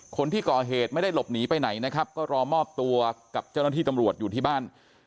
คนที่ก่อเหตุไม่ได้หลบหนีไปไหนนะครับก็รอมอบตัวกับเจ้าหน้าที่ตำรวจอยู่ที่บ้าน